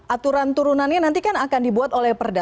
aturan turunannya nanti kan akan dibuat oleh perda